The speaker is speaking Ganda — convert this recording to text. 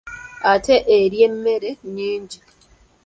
Ate erya emmere nnyingi.